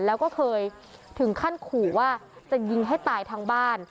แล้วก็เคยถึงขั้นขู่ว่าจะยิงให้ตายทั้งบ้าน